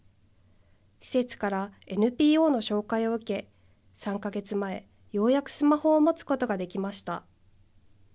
施設からＮＰＯの紹介を受け、３か月前、ようやくスマホを持つことができました。